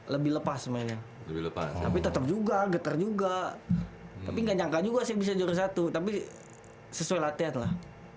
lebih lepas sebenarnya tapi tetep juga getar juga tapi gak nyangka juga sih bisa jorok satu tapi sesuai latihan lah